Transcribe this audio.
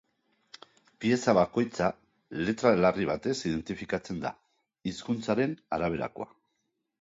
Pieza bakoitza letra larri batez identifikatzen da, hizkuntzaren araberakoa.